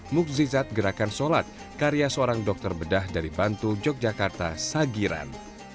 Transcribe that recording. mukzizat gerakan sholat karya seorang dokter bedah dari bantu yogyakarta sagiran